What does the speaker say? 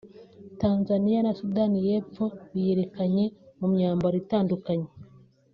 Tanzania na Sudani y’Epfo biyerekanye mu myambaro itandukanye